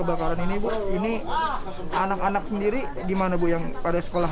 bajis seragam juga sih